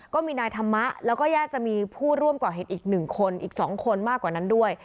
ก็มีนายธรรมะแล้วก็ญาติจะมีผู้ร่วมก่อเหตุอีก๑คนอีก๒คนมากกว่านั้นด้วย